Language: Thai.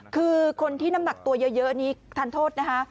คือคนที่น้ำหนักตัวเยอะนี้ทานโทษนะคะ